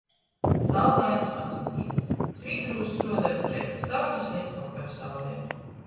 Saulainys vacumdīnys – svīdrūs struodoj nu reita saulis leidz vokora saulei.